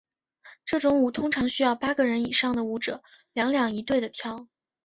这种舞通常需要八个人以上的舞者两两一对地跳。